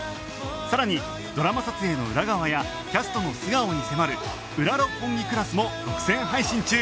さらにドラマ撮影の裏側やキャストの素顔に迫る『ウラ六本木クラス』も独占配信中